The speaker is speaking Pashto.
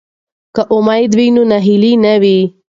که امید وي نو ناهیلي نه وي.